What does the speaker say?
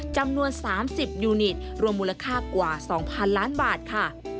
จำนวน๓๐ยูนิตรวมมูลค่ากว่า๒๐๐๐ล้านบาทค่ะ